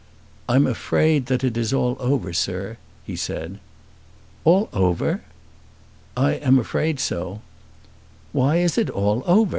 "I'm afraid that it is all over, sir," he said. "All over!" "I am afraid so." "Why is it all over?